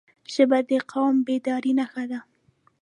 ژبه د قوم بیدارۍ نښه ده